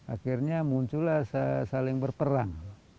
akhirnya muncullah saling berperang